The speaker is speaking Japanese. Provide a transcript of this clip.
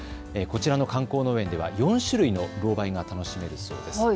こちらの観光農園では４種類のロウバイが楽しめるそうです。